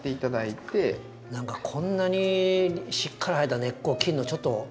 何かこんなにしっかり生えた根っこを切るのちょっと。